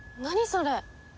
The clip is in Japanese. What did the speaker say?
それ。